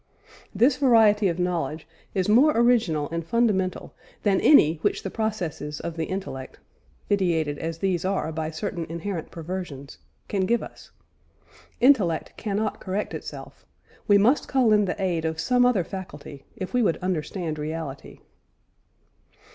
This variety of knowledge is more original and fundamental than any which the processes of the intellect, vitiated as these are by certain inherent perversions, can give us. Intellect cannot correct itself; we must call in the aid of some other faculty if we would understand reality.